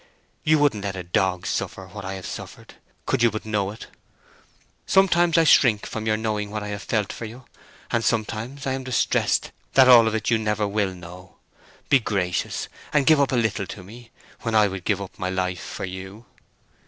You wouldn't let a dog suffer what I have suffered, could you but know it! Sometimes I shrink from your knowing what I have felt for you, and sometimes I am distressed that all of it you never will know. Be gracious, and give up a little to me, when I would give up my life for you!"